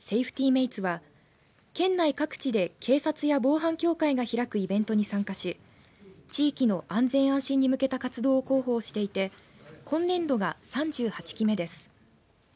メイツは県内各地で警察や防犯協会が開くイベントに参加し地域の安全安心に向けた活動を広報していて今年度が３８期目です。